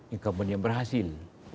incumbent yang berhasil